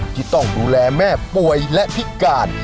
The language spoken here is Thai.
ที่ต้องดูแลแม่ป่วยและพิการ